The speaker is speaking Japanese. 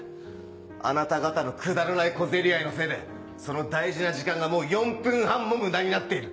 あなた方のくだらない小競り合いのせいでその大事な時間がもう４分半も無駄になっている。